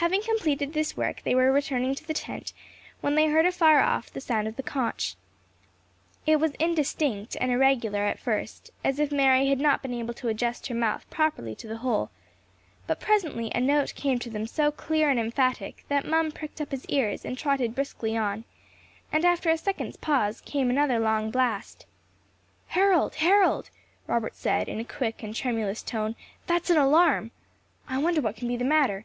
Having completed this work, they were returning to the tent, when they heard afar off the sound of the conch. It was indistinct and irregular at first, as if Mary had not been able to adjust her mouth properly to the hole; but presently a note came to them so clear and emphatic, that Mum pricked up his ears, and trotted briskly on; and after a second's pause came another long blast. "Harold! Harold!" Robert said in a quick and tremulous tone, "that is an alarm! I wonder what can be the matter.